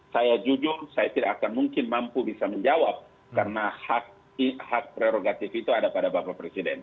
saya jujur saya tidak akan mungkin mampu bisa menjawab karena hak prerogatif itu ada pada bapak presiden